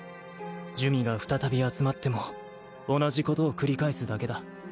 珠魅が再び集まっても同じことを繰り返すだけだ。